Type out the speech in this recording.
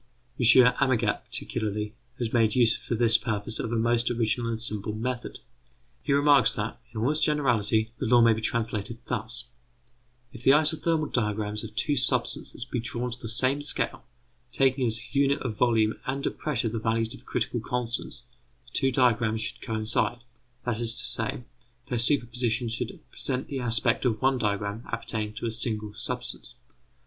M. Amagat, particularly, has made use for this purpose of a most original and simple method. He remarks that, in all its generality, the law may be translated thus: If the isothermal diagrams of two substances be drawn to the same scale, taking as unit of volume and of pressure the values of the critical constants, the two diagrams should coincide; that is to say, their superposition should present the aspect of one diagram appertaining to a single substance.